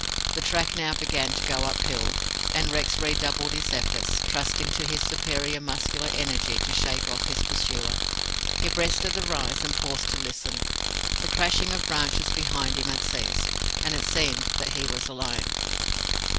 The track now began to go uphill, and Rex redoubled his efforts, trusting to his superior muscular energy to shake off his pursuer. He breasted the rise, and paused to listen. The crashing of branches behind him had ceased, and it seemed that he was alone.